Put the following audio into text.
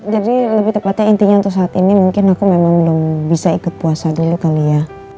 jadi lebih tepatnya intinya untuk saat ini mungkin aku memang belum bisa ikut puasa dulu kali ya